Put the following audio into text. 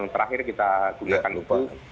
nah akhirnya kita gunakan itu